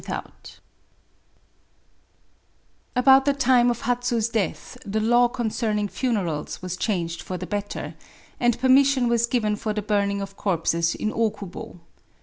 About the time of Hatsu's death, the law concerning funerals was changed for the better ; and permission was given for the burning of corpses in Okubo.